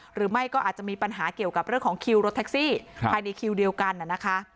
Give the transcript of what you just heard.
หรือไม่ก็อาจจะมีปัญหาเกี่ยวกับเรื่องของคิวรถแท็กซี่ภายในคิวเดียวกันนะคะ